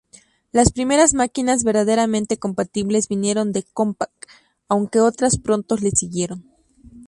Las primeras máquinas verdaderamente compatibles vinieron de Compaq, aunque otras pronto le siguieron.